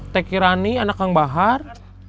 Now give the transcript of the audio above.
teki rani anak kang bahar